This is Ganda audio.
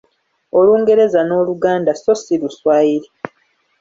Olungereza n’Oluganda so si Luswayiri.